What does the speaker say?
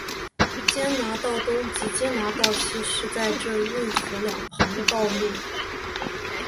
坚拿道东及坚拿道西是在这运河两旁的道路。